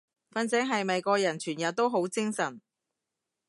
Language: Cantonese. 瞓醒係咪個人全日都好精神？